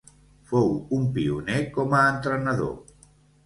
Fou un pioner com a entrenador.